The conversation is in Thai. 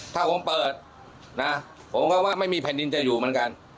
ถ้าผมเปิดนะผมก็ว่าไม่มีแผ่นดินจะอยู่เหมือนกัน